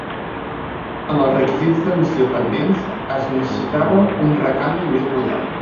Amb els requisits d'emissió pendents, es necessitava un recanvi més modern.